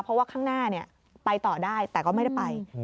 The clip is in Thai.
เพราะว่าข้างหน้าไปต่อได้แต่ก็ไม่ได้ไป